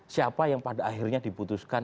siapa yang pada akhirnya diputuskan